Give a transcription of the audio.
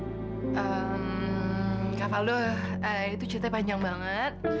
eemmm kak kavaldo itu ceritanya panjang banget